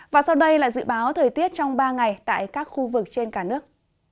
và sau đây là dự báo thời tiết trong ba ngày tại các khu vực trên cả nước